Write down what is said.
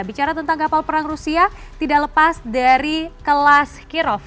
bicara tentang kapal perang rusia tidak lepas dari kelas kirov